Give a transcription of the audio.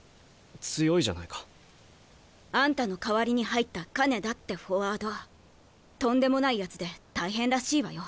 強いじゃないか。あんたの代わりに入った金田ってフォワードとんでもないやつで大変らしいわよ。